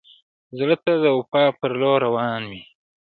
زړه د وفا پر لور روان وي.